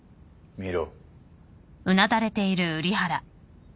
見ろ！